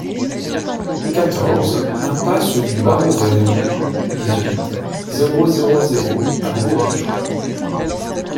quatorze impasse du Barreau Vert, dix-huit, zéro zéro zéro à Bourges